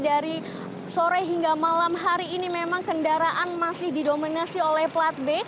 dari sore hingga malam hari ini memang kendaraan masih didominasi oleh plat b